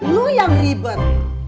lu yang ribet